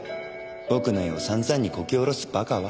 僕の絵を散々にこき下ろす馬鹿は。